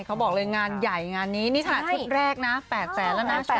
เขาบอกเลยงานใหญ่งานนี้นี่ขนาดชุดแรกนะ๘แสนแล้วนะ